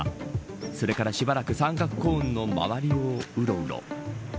それからしばらく三角コーンの周りをうろうろ。